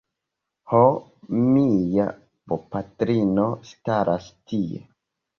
Ho... mia bopatrino staras tie